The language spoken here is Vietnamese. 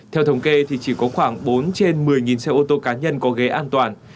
theo thống kê thì chỉ có khoảng bốn trên một mươi xe ô tô cá nhân có ghế an toàn